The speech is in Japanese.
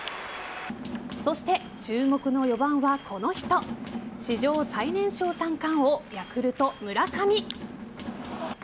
そして注目の４番はこの人史上最年少三冠王ヤクルト・村上。